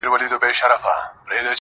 لکه کنگل تودو اوبو کي پروت يم.